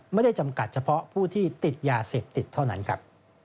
จำกัดเฉพาะผู้ที่ติดยาเสพติดเท่านั้นครับ